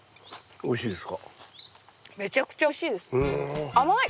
おいしいです。